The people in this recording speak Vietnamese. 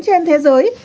trên thế giới